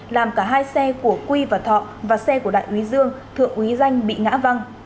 làm cả hai xe của quy và thọ và xe của đại úy dương thượng úy danh bị ngã văng